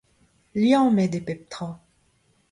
Liammet eo pep tra.